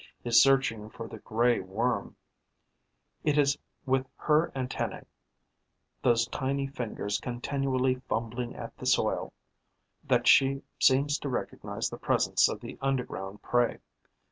is searching for the Grey Worm, it is with her antennae, those tiny fingers continually fumbling at the soil, that she seems to recognize the presence of the underground prey.